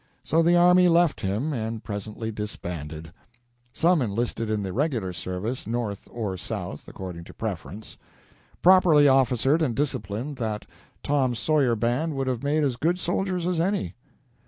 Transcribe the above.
So the army left him, and presently disbanded. Some enlisted in the regular service, North or South, according to preference. Properly officered and disciplined, that "Tom Sawyer" band would have made as good soldiers as any.